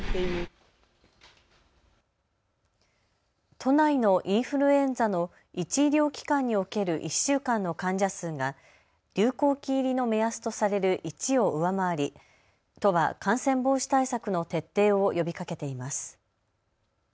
都内のインフルエンザの１医療機関における１週間の患者数が流行期入りの目安とされる１を上回り都は感染防止対策の徹底を呼びかけています。